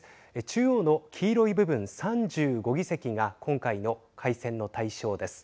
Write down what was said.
中央の黄色い部分、３５議席が今回の改選の対象です。